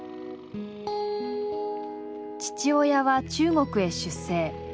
父親は中国へ出征。